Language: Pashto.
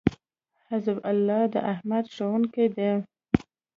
حزب الله داحمد ښوونکی دی